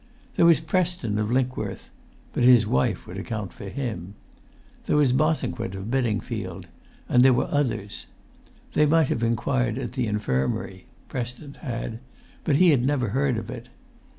There was Preston of Linkworth—but his wife would account for him. There was Bosanquet of Bedingfield, and there were others. They might have inquired at the infirmary (Preston had), but he had never heard of it.